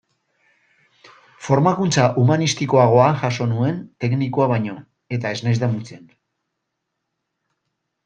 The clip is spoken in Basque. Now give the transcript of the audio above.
Formakuntza humanistikoagoa jaso nuen teknikoa baino, eta ez naiz damutzen.